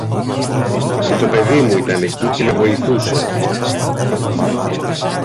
Και το παιδί μου ήταν εκεί και με βοηθούσε.